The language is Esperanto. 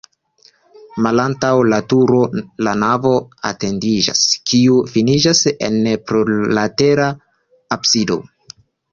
Malantaŭ la turo la navo etendiĝas, kiu finiĝas en plurlatera absido.